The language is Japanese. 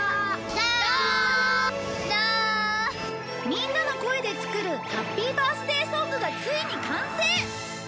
みんなの声で作るハッピーバースデーソングがついに完成！